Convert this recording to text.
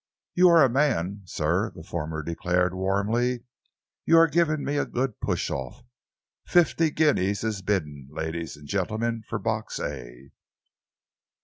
"You are a man, sir," the former declared warmly. "You are giving me a good push off. Fifty guineas is bidden, ladies and gentlemen, for Box A."